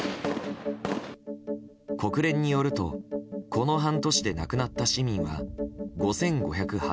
国連によると、この半年で亡くなった市民は５５８７人。